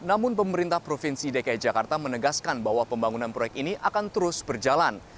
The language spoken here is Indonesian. namun pemerintah provinsi dki jakarta menegaskan bahwa pembangunan proyek ini akan terus berjalan